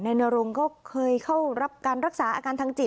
ในนรงค์ก็เข้ารักษาอาการทางจิตนะ